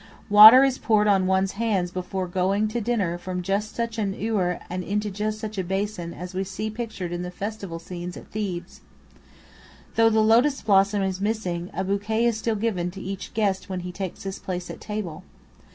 Water is poured on one's hands before going to dinner from just such a ewer and into just such a basin as we see pictured in the festival scenes at Thebes. Though the lotus blossom is missing, a bouquet is still given to each guest when he takes his place at table.